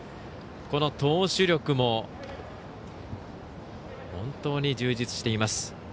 この投手力も本当に充実しています。